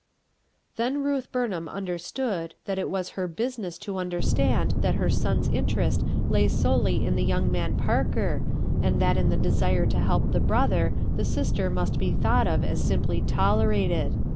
Then Ruth Burnham understood that it was her business to understand that her son's interest lay solely in the young man Parker, and that in the desire to help the brother the sister must be thought of as simply tolerated.